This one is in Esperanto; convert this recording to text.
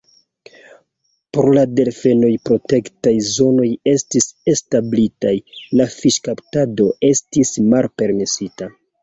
Por la delfenoj protektaj zonoj estis establitaj, la fiŝkaptado estis malpermesita.